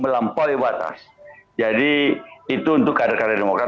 melampaui batas jadi itu untuk kader kader demokrat